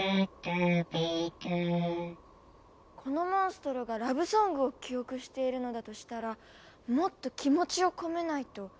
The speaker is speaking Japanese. このモンストロがラブソングを記憶しているのだとしたらもっと気持ちを込めないと。